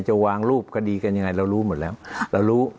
จะวางรูปคดีกันยังไงเรารู้หมดแล้วเรารู้